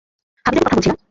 হাবিজাবি কথা বলছি না।